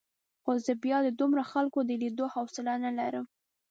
خو زه بیا د دومره خلکو د لیدو حوصله نه لرم.